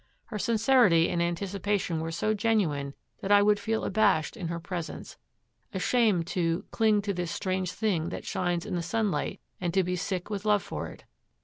Her sincerity and anticipation were so genuine that I would feel abashed in her presence, ashamed to 'cling to this strange thing that shines in the sunlight, and to be sick with love for it.'